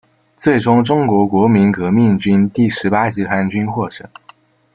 最终中国国民革命军第十八集团军获胜。